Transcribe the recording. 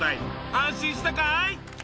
安心したかい？